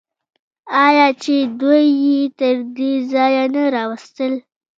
آیا چې دوی یې تر دې ځایه نه راوستل؟